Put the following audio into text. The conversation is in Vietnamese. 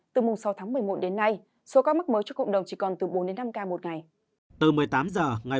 từ sáu một mươi một đến nay số ca mắc mới cho cộng đồng chỉ còn từ bốn năm ca một ngày